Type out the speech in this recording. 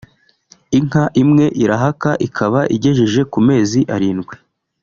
Inka imwe irahaka ikaba igejeje ku mezi arindwi